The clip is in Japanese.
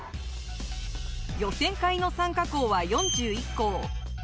予選会の参加校は４１校。